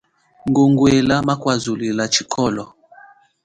Ngongwela makwazuluila tshikolo.